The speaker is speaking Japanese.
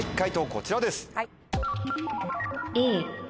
こちらです。